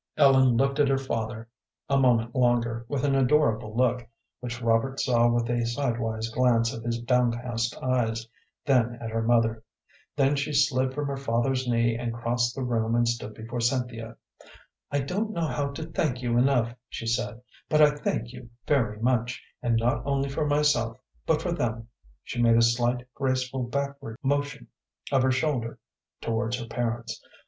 Ellen looked at her father a moment longer with an adorable look, which Robert saw with a sidewise glance of his downcast eyes, then at her mother. Then she slid from her father's knee and crossed the room and stood before Cynthia. "I don't know how to thank you enough," she said, "but I thank you very much, and not only for myself but for them"; she made a slight, graceful, backward motion of her shoulder towards her parents.